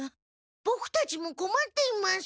ボクたちもこまっています。